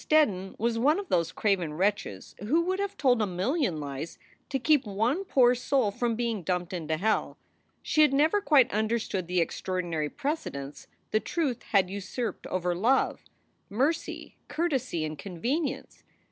Steddon was one of those craven wretches who would have told a million lies to keep one poor soul from being dumped into hell. She had never quite understood the extraordinary precedence the truth had usurped over love, mercy, courtesy, and convenience.